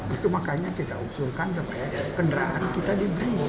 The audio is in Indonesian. itu makanya kita usulkan supaya kendaraan kita diberi